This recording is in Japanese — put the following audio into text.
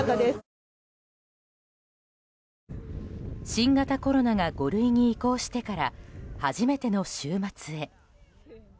新型コロナが５類に移行してから初めての週末へ。